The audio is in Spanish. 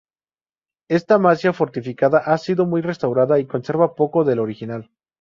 Esta masía fortificada ha sido muy restaurada y conserva poco del original.